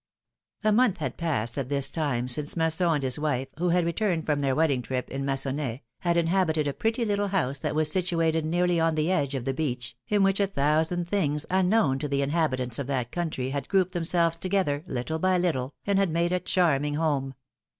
A month had passed at this time since Masson and his wife, who had returned from their wedding trip in Magon nais, had inhabited a pretty little house that was situated nearly on the edge of the beach, in which a thousand things unknown to the inhabitants of that country had grouped themselves together little by little, and had made a charming home.